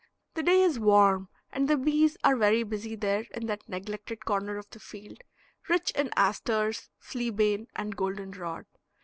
The day is warm and the bees are very busy there in that neglected corner of the field, rich in asters, flea bane, and golden rod.